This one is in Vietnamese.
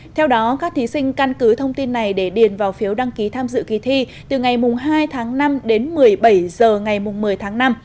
theo đó các thí sinh căn cứ thông tin này để điền vào phiếu đăng ký tham dự kỳ thi từ ngày hai tháng năm đến một mươi bảy h ngày một mươi tháng năm